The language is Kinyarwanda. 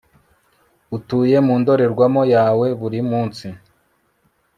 utuye mu ndorerwamo yawe buri munsi